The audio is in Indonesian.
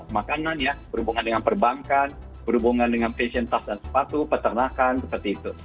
makanan ya berhubungan dengan perbankan berhubungan dengan fashion tas dan sepatu peternakan seperti itu